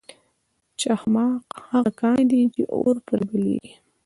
چخماق هغه کاڼی دی چې اور پرې بلیږي.